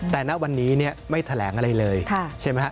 แต่ณวันนี้ไม่แถลงอะไรเลยใช่ไหมฮะ